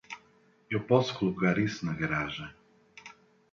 Eu posso colocar isso na garagem.